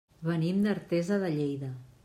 Venim d'Artesa de Lleida.